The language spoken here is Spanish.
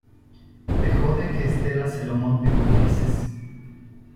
¿ te jode que Estela se lo monte con Ulises?